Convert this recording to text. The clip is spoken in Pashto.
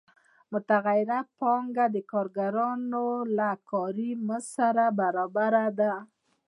متغیره پانګه د کارګرانو له کاري مزد سره برابره ده